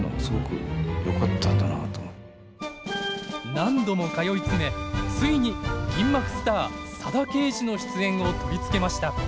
何度も通い詰めついに銀幕スター佐田啓二の出演を取り付けました。